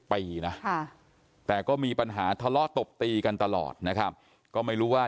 ปีนะแต่ก็มีปัญหาทะเลาะตบตีกันตลอดนะครับก็ไม่รู้ว่า